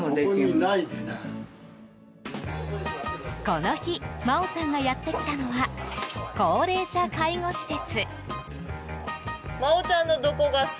この日真央さんがやってきたのは高齢者介護施設。